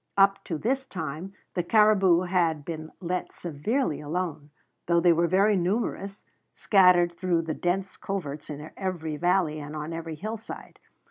Up to this time the caribou had been let severely alone, though they were very numerous, scattered through the dense coverts in every valley and on every hillside.